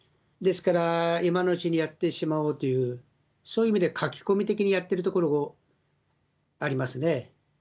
ですから、今のうちにやってしまおうという、そういう意味で駆け込み的にやってるところがありますね。